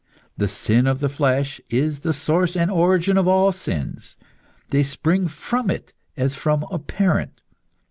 The sin of the flesh is the source and origin of all sins; they spring from it as from a parent.